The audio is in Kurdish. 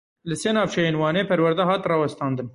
Li sê navçeyên Wanê perwerde hat rawestandin.